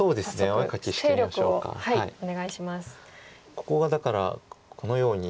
ここがだからこのようになって。